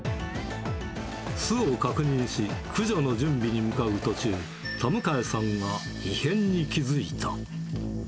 巣を確認し、駆除の準備に向かう途中、田迎さんが異変に気付いた。